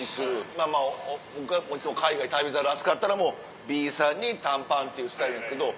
まぁまぁ僕はいつも海外『旅猿』暑かったらもうビーサンに短パンっていうスタイルなんですけど。